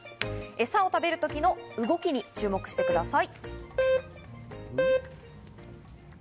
エサを食べる時の動きに注目してください。